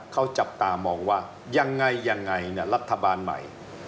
เขาจับตามองว่ายังไงยังไงรัฐบาลใหม่